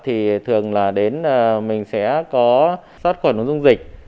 thì thường là đến mình sẽ có sát khỏi nguồn dung dịch